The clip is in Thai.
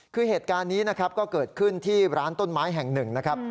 คือเหตุการณ์นี้นะครับก็เกิดขึ้นที่ร้านต้นไม้แห่งหนึ่งนะครับ